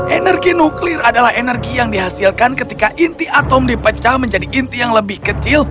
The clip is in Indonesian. energi nuklir adalah energi yang dihasilkan ketika inti atom dipecah menjadi inti yang lebih kecil